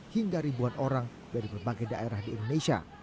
hingga ribuan orang dari berbagai daerah di indonesia